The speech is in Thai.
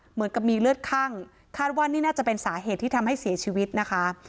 เหมือนกับมีเลือดคั่งคาดว่านี่น่าจะเป็นสาเหตุที่ทำให้เสียชีวิตนะคะ